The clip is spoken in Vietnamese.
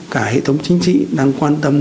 cả hệ thống chính trị đang quan tâm